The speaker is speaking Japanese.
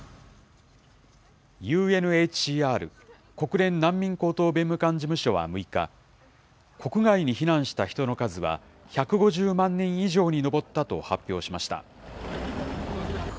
ＵＮＨＣＲ・国連難民高等弁務官事務所は６日、国外に避難した人の数は１５０万人以上に上ったと発表しました。